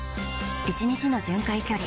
１日の巡回距離